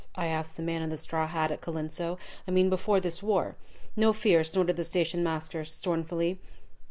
I asked the man in the straw hat, at Colenso. "I mean before this war?" "No fear!" snorted the station master, scornfully.